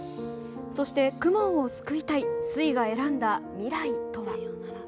そして公文を救いたいすいが選んだ未来とは。